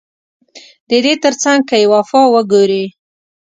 ددې ترڅنګ که يې وفا وګورې